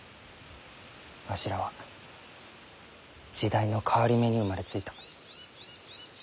わしらは時代の変わり目に生まれついた。